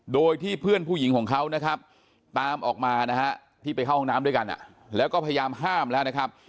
โดยที่เพื่อนผู้หญิงของเขานะครับตามออกมานะฮะที่ไปเข้าห้องน้ำด้วยกันแล้วก็พยายามห้ามแล้วนะครับ